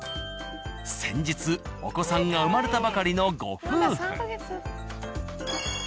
先日お子さんが生まれたばかりのご夫婦。